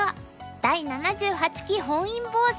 第７８期本因坊戦」。